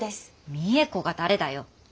未映子が誰だよ。